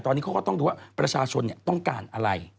ตอนนี้เขาก็ต้องดูว่าประชาชนต้องการอะไร